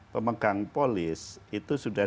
pemegang polis itu sudah